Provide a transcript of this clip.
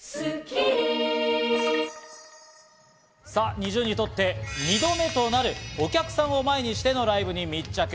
ＮｉｚｉＵにとって２度目となる、お客さんを前にしてのライブに密着。